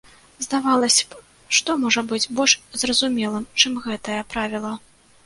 Здавалася б, што можа быць больш зразумелым, чым гэтае правіла.